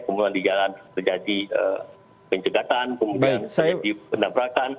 kemudian di jalan terjadi pencegatan kemudian terjadi penabrakan